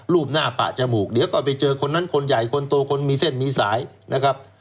รูปหน้าปะจมูกเดี๋ยวก็ไปเจอคนนั้นคนใหญ่คนโตคนมีเส้นมีสายนะครับ